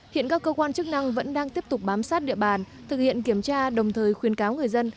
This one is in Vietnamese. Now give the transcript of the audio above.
hiện các cơ quan chức năng vẫn đang tiếp tục bám sát địa bàn thực hiện kiểm tra đồng thời khuyến cáo người dân